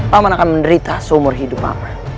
pak man akan menderita seumur hidup pak man